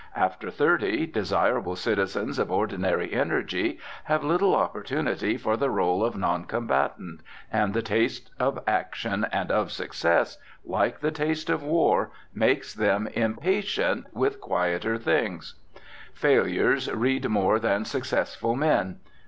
After thirty, desirable citizens of ordinary energy have little opportunity for the role of noncombatant, and the taste of action and of success, like the taste of war, makes them impatient with quieter things. Failures read more than successful men.